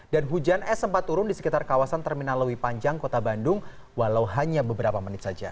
dan hujan s empat turun di sekitar kawasan terminal lewi panjang kota bandung walau hanya beberapa menit saja